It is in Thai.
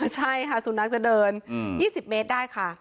ใช่ค่ะสุนัขจะเดิน๒๐เมตรได้ค่ะ